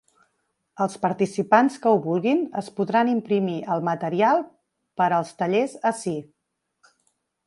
Els participants que ho vulguin es podran imprimir el material per als tallers ací.